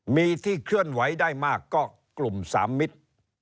มีที่เคลื่อนไหวได้มากก็กลุ่ม๓มิตร